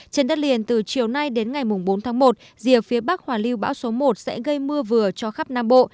trên đất liền từ chiều nay đến ngày bốn tháng một rìa phía bắc hòa lưu bão số một sẽ gây mưa vừa cho khắp nam bộ